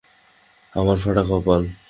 আমার ফাঁটা কপাল।